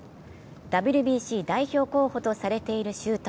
ＷＢＣ代表候補とされている周東。